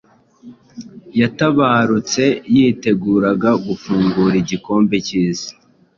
yatabarutse yiteguraga gufungura igikombe cy’Isi